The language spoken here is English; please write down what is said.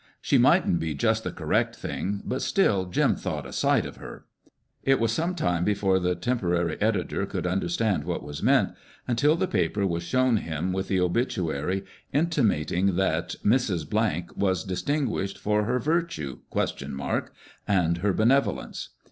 She mightn't be just the correct thing, but still Jim thought a sight of her !" It was some time before the tempo rary editor could understand what was meant, until the paper was shown him with the obituary intimating that " Mrs. was dis tinguished for her virtue (?) and her bene volence."